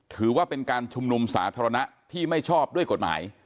ถือว่าเป็นการชุมนุมสาธารณะที่ไม่ชอบด้วยกฎหมาย